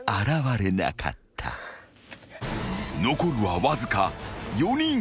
［残るはわずか４人］